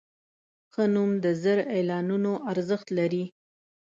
ښه نوم د زر اعلانونو ارزښت لري.